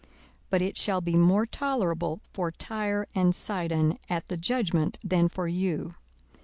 42:010:014 But it shall be more tolerable for Tyre and Sidon at the judgment, than for you.